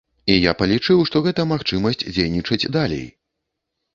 І я палічыў, што гэта магчымасць дзейнічаць далей.